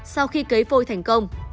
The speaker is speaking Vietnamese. sau khi cấy phôi thành công